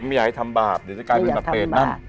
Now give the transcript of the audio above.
ไม่อยากให้ทำบาปเดี๋ยวจะกลายเป็นแบบเปรตนะ